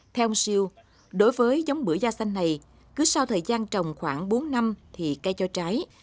theo ông siêu đối với giống bưởi da xanh này cứ sau thời gian trồng khoảng bốn năm thì cây cho trái